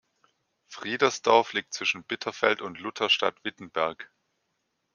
Friedersdorf liegt zwischen Bitterfeld und Lutherstadt Wittenberg.